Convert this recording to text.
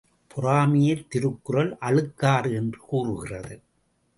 பொறாமையைத் திருக்குறள் அழுக்காறு என்று கூறுகிறது.